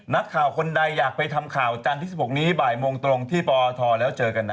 นักข่าวคนใดอยากไปทำข่าวจันทร์ที่๑๖นี้บ่ายโมงตรงที่ปอทแล้วเจอกันนะ